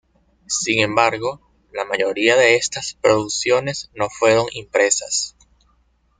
Sin embargo, la mayoría de estas producciones no fueron impresas.